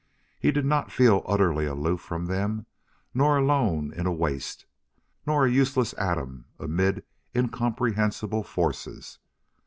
He did not feel utterly aloof from them, nor alone in a waste, nor a useless atom amid incomprehensible forces.